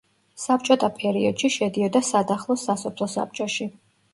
საბჭოთა პერიოდში შედიოდა სადახლოს სასოფლო საბჭოში.